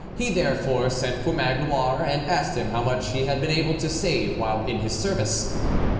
He, therefore, sent for Magloire, and asked him how much he had been able to save while in his service.